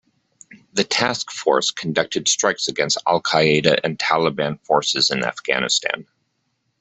The Task Force conducted strikes against Al-Qaeda and Taliban forces in Afghanistan.